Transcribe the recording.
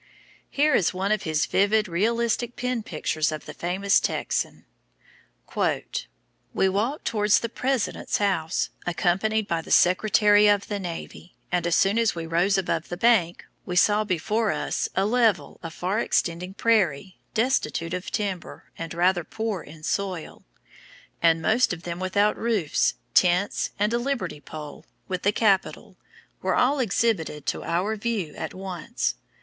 Here is one of his vivid, realistic pen pictures of the famous Texan: "We walked towards the President's house, accompanied by the Secretary of the Navy, and as soon as we rose above the bank, we saw before us a level of far extending prairie, destitute of timber, and rather poor soil. Houses half finished, and most of them without roofs, tents, and a liberty pole, with the capitol, were all exhibited to our view at once.